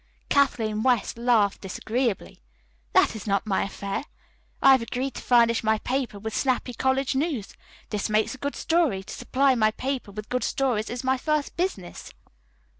Kathleen West laughed disagreeably. "That is not my affair. I have agreed to furnish my paper with snappy college news. This makes a good story. To supply my paper with good stories is my first business."